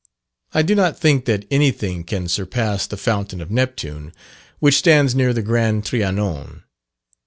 I do not think that any thing can surpass the fountain of Neptune, which stands near the Grand Trianon.